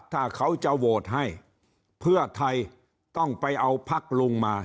ถ้าเขาจะโหวตให้เพื่อไทยต้องไปเอาพักลุงมา